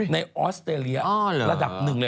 ในเอาสเตอรียะระดับหนึ่งเลย